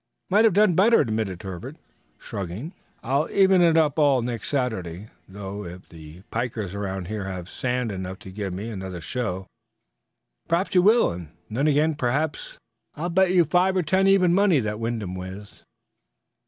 "Might have done better," admitted Herbert, shrugging. "I'll even it all up next Saturday, though, if these pikers around here have sand enough to give me another show." "Perhaps you will, and, then again, perhaps " "I'll bet you five or ten, even money, that Wyndham wins."